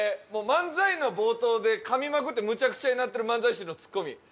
漫才の冒頭でかみまくってむちゃくちゃになってる漫才師のツッコミ。